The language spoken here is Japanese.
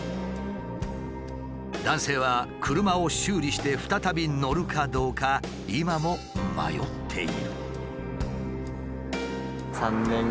男性は車を修理して再び乗るかどうか今も迷っている。